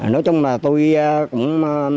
nói chung là tôi cũng